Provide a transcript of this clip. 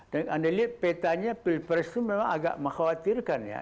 dan anda lihat petanya pilpres itu memang agak mengkhawatirkan ya